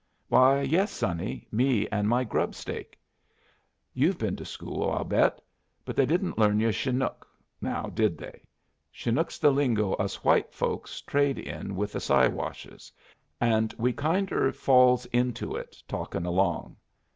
"Why, yes, sonny, me and my grub stake. You've been to school, I'll bet, but they didn't learn yu' Chinook, now, did they? Chinook's the lingo us white folks trade in with the Siwashes, and we kinder falls into it, talking along.